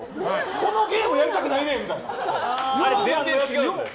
このゲームやりたくないねん！